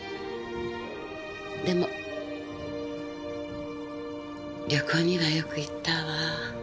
でも旅行にはよく行ったわ。